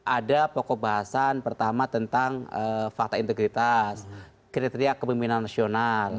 ada pokok bahasan pertama tentang fakta integritas kriteria kepemimpinan nasional